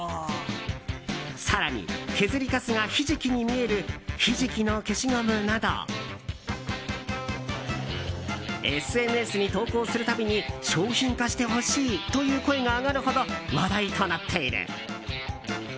更に、削りかすがひじきに見えるひじきの消しゴムなどＳＮＳに投稿するたびに商品化してほしいという声が上がるほど、話題となっている。